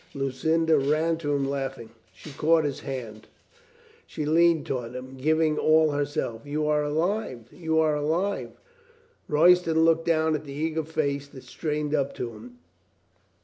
Lucinda ran to him laughing. She caught his hands, she leaned toward him, giving all herself. "You are alive! You are alive!" Royston looked down at the eager face that strained up to him.